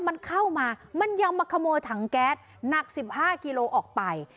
มันเข้ามามันยังมาขโมยถังแก๊สหนัก๑๕กิโลออกไป